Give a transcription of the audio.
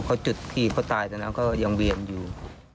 เขาจุดกีดเขาตายแล้วนะก็ยังเวียนอยู่